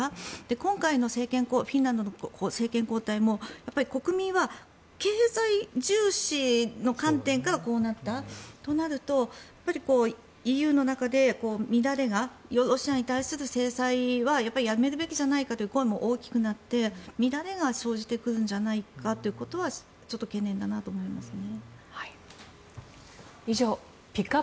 今回のフィンランドの政権交代も国民は経済重視の観点からこうなったとなるとやっぱりＥＵの中で乱れがロシアに対する制裁はやめるべきじゃないかという声も大きくなって乱れが生じてくるんじゃないかということは懸念じゃないかと思いますね。